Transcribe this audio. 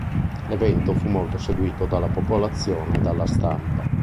L'evento fu molto seguito dalla popolazione e dalla stampa.